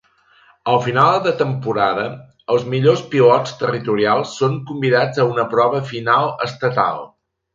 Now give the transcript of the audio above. A final de temporada, els millors pilots territorials són convidats a una prova final estatal.